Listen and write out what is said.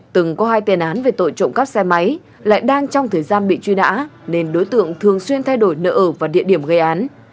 từng có hai tiền án về tội trộm cắp xe máy lại đang trong thời gian bị truy nã nên đối tượng thường xuyên thay đổi nợ và địa điểm gây án